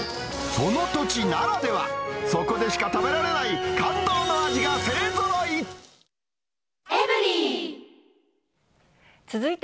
その土地ならでは、そこでしか食べられない感動の味が勢ぞろい。